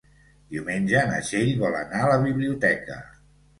Diumenge na Txell vol anar a la biblioteca.